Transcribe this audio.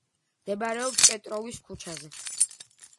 მდებარეობს პეტროვის ქუჩაზე.